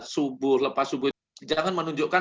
subuh lepas subuh jangan menunjukkan